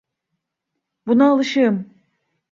Buna alışığım.